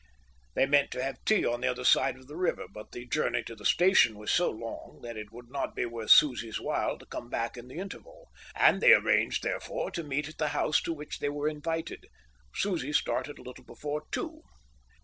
They meant to have tea on the other side of the river, but the journey to the station was so long that it would not be worth Susie's while to come back in the interval; and they arranged therefore to meet at the house to which they were invited. Susie started a little before two.